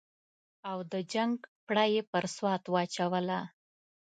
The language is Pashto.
او د جنګ پړه یې پر سوات واچوله.